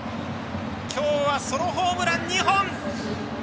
きょうはソロホームラン２本！